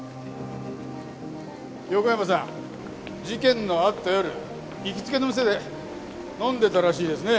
横山さん事件のあった夜行きつけの店で飲んでたらしいですね。